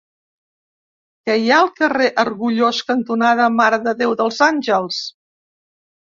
Què hi ha al carrer Argullós cantonada Mare de Déu dels Àngels?